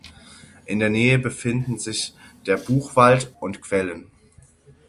In der Nähe befinden sich der Buchwald und Quellen.